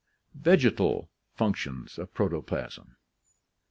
Vegetal Functions of Protoplasm.